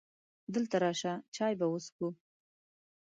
دلته راشه! چای به وڅښو .